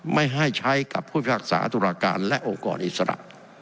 ไม่ให้ใช้กับผู้พิพากษาตุลาการและองค์กรอิสระ